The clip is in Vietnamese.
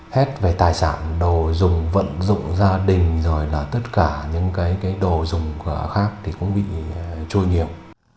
hết về tài sản đồ dùng vận dụng gia đình rồi là tất cả những cái đồ dùng khác thì cũng bị trôi nhiều